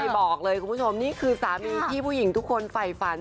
บอกเลยคุณผู้ชมนี่คือสามีที่ผู้หญิงทุกคนไฝฝัน